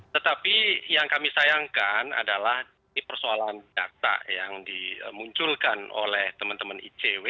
tetapi yang kami sayangkan adalah persoalan data yang dimunculkan oleh teman teman icw